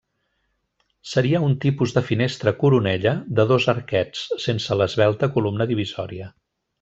Seria un tipus de finestra coronella de dos arquets, sense l'esvelta columna divisòria.